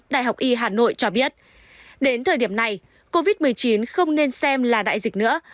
đại học y hà nội cho biết đến thời điểm này covid một mươi chín không nên xem là đại dịch nữa